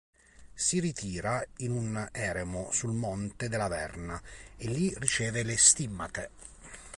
Si ritira in un eremo sul monte della Verna e lì riceve le stimmate.